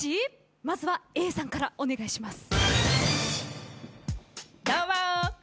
まずはＡさんからお願いします。